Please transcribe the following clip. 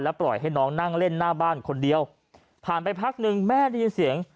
ปล่อยให้น้องนั่งเล่นหน้าบ้านคนเดียวผ่านไปพักหนึ่งแม่ได้ยินเสียง